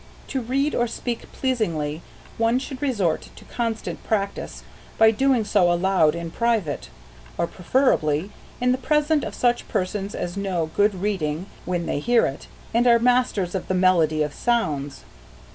To read or speak pleasingly one should resort to constant practise by doing so aloud in private, or preferably, in the presence of such persons as know good reading when they hear it and are masters of the melody of sounds.